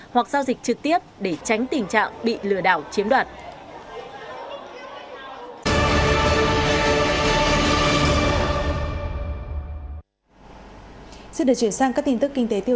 hoặc giao dịch trực tiếp để tránh tình trạng bị lừa đảo chiếm đoạt